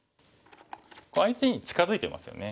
相手に近づいてますよね。